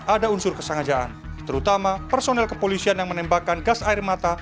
ada unsur kesengajaan terutama personel kepolisian yang menembakkan gas air mata